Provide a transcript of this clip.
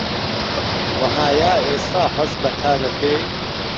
وه ئایا ئێستا هەست بە تا دەکەی؟